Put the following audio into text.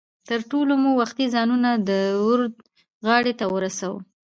تر ټولو مو وختي ځانونه د ورد غاړې ته ورسو.